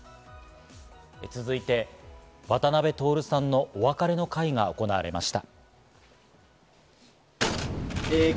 続いて、渡辺徹さんのお別れの会が行われました。